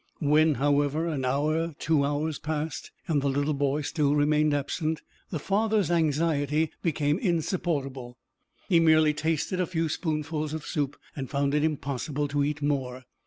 When, however, an hour two hours passed, and the little boy still remained absent, the father's anxiety became insupportable. He merely tasted a few spoonfuls of soup, and found it impossible to eat more.